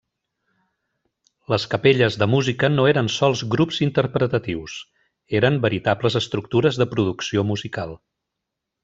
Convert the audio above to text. Les capelles de música no eren sols grups interpretatius; eren veritables estructures de producció musical.